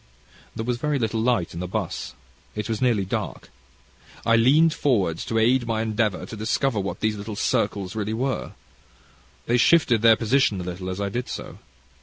"There was very little light in the 'bus. It was nearly dark. I leaned forward to aid my endeavour to discover what these little circles really were. They shifted position a little as I did so.